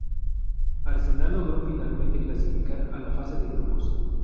Arsenal logró finalmente clasificar a la fase de grupos.